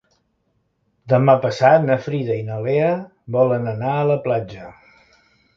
Demà passat na Frida i na Lea volen anar a la platja.